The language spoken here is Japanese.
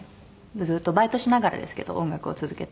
ずっとバイトしながらですけど音楽を続けて。